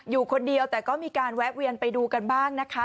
อยู่คนเดียวแต่ก็มีการแวะเวียนไปดูกันบ้างนะคะ